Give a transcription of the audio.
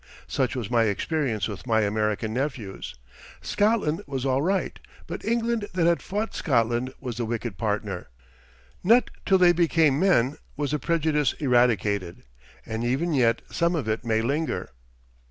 Such was my experience with my American nephews. Scotland was all right, but England that had fought Scotland was the wicked partner. Not till they became men was the prejudice eradicated, and even yet some of it may linger.